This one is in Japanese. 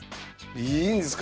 いいんすか？